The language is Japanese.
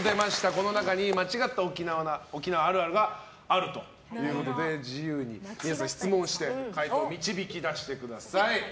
この中に間違った沖縄あるあるがあるということで自由に皆さん、質問して解答を導き出してください。